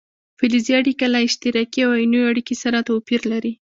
فلزي اړیکه له اشتراکي او ایوني اړیکې سره توپیر لري.